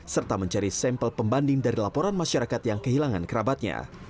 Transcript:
serta mencari sampel pembanding dari laporan masyarakat yang kehilangan kerabatnya